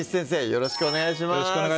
よろしくお願いします